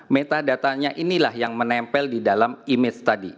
meta data nya inilah yang menempel di dalam image tadi